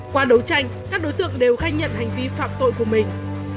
qua đấu tranh các đối tượng đều khai nhận hành vi phạm tội của mình